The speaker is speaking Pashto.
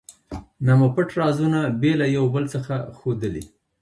نه مو پټ رازونه بې له یو بل څخه ښودلي.